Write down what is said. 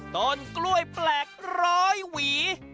ต้นกล้วยแปลกร้อยหวี